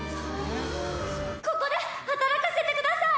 ここで働かせてください。